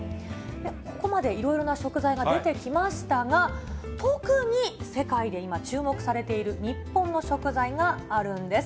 ここまで、いろいろな食材が出てきましたが、特に世界で今、注目されている日本の食材があるんです。